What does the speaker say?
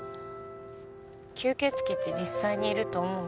吸血鬼って実際にいると思う？